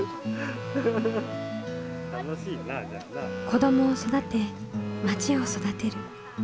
子どもを育てまちを育てる。